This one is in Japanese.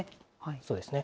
そうですね。